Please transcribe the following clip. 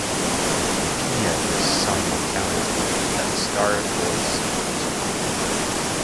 In Kenya it is sung on Founders' Day at Starehe Boys' Centre and School.